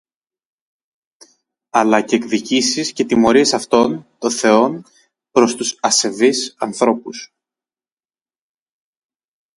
αλλά και εκδικήσεις και τιμωρίες αυτών των θεών προς τους «ασεβείς» ανθρώπους,